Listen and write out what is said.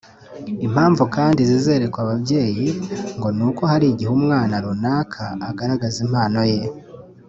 Impamvu kandi zizerekwa ababyeyi ngo ni uko hari igihe umwana runaka agaragaza impano ye